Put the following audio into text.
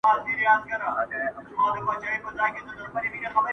مینېږم زما فطرت عاشقانه دی.